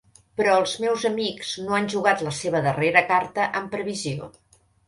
Però els meus amics no han jugat la seva darrera carta en previsió.